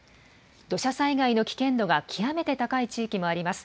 土砂災害の危険度が極めて高い地域もあります。